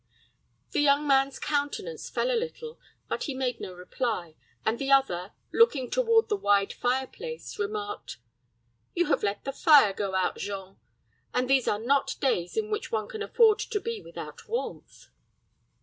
The young man's countenance fell a little, but he made no reply, and the other, looking toward the wide fire place, remarked, "You have let the fire go out, Jean, and these are not days in which one can afford to be without warmth."